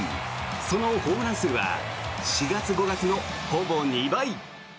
そのホームラン数は４月、５月のほぼ２倍。